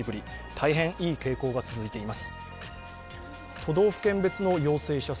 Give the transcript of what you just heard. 大変いい傾向が続いています。